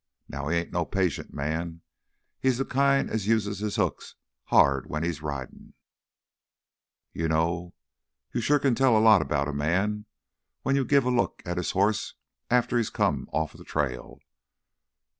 Now he ain't no patient man; he's th' kind as uses his hooks hard when he's ridin'. "You know, you sure can tell a lot 'bout a man when you give a look at his hoss after he's come off th' trail.